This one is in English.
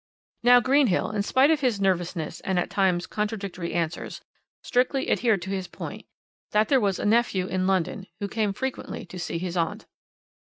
"Now Greenhill, in spite of his nervousness and at times contradictory answers, strictly adhered to his point, that there was a nephew in London, who came frequently to see his aunt.